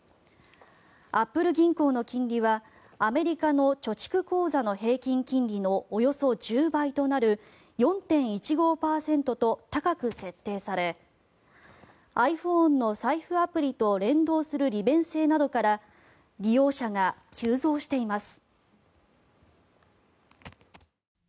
アップル銀行の金利はアメリカの貯蓄口座の平均金利のおよそ１０倍となる４．１５％と高く設定されｉＰｈｏｎｅの財布アプリと連動する利便性などから利用者が急増しています。